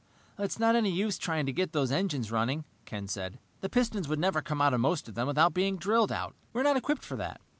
"It's not any use trying to get those engines running," Ken said. "The pistons would never come out of most of them without being drilled out. We're not equipped for that.